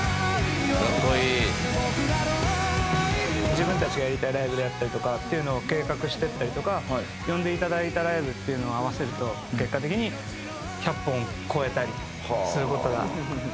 自分たちがやりたいライブであったりとかっていうのを計画していったりとか呼んで頂いたライブっていうのを合わせると結果的に１００本超えたりする事がほぼ毎年。